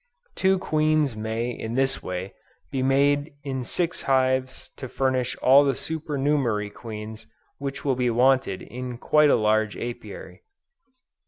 Two queens may in this way, be made in six hives to furnish all the supernumerary queens which will be wanted in quite a large Apiary.